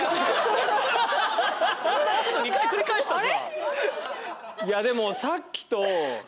同じこと２回繰り返したぞ。